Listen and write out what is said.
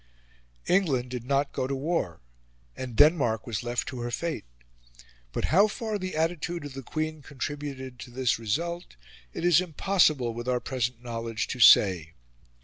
England did not go to war, and Denmark was left to her fate; but how far the attitude of the Queen contributed to this result it is impossible, with our present knowledge, to say.